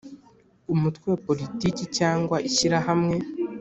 Umutwe wa politiki cyangwa ishyirahamwe